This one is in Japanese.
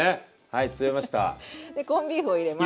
でコンビーフを入れます。